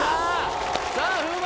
さぁ風磨！